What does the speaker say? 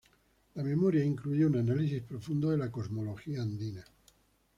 La memoria incluye un análisis profundo de la cosmología andina.